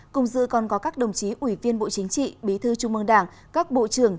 cùng dự còn có các đồng chí ủy viên bộ chính trị bí thư trung mương đảng các bộ trưởng